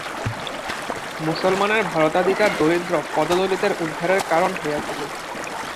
মুসলমানের ভারতাধিকার দরিদ্র পদদলিতদের উদ্ধারের কারণ হইয়াছিল।